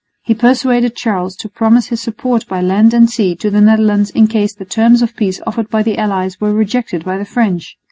He persuaded Charles to promise his support by land and sea to the Netherlands in case the terms of peace offered by the allies were rejected by the French.